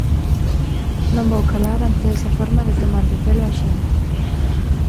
Non vou calar ante esa forma de tomarlle o pelo á xente.